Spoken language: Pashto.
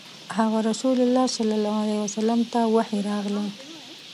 هغه ﷺ ته وحی راغله.